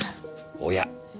おや。